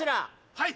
はい！